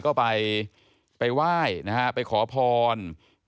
ก็ไปว่ายไปขอพร